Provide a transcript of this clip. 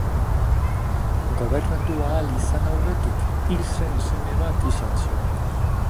Gobernatu ahal izan aurretik hil zen seme bat izan zuen.